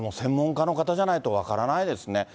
それは専門家の方じゃないと分からないですね。